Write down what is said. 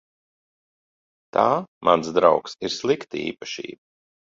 Tā, mans draugs, ir slikta īpašība.